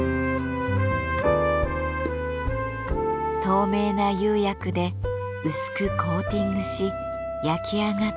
透明な釉薬で薄くコーティングし焼き上がった器。